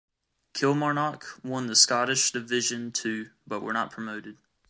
Kilmarnock won the Scottish Division Two but were not promoted.